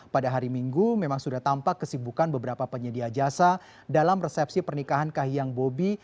pada hari minggu memang sudah tampak kesibukan beberapa penyedia jasa dalam resepsi pernikahan kahiyang bobi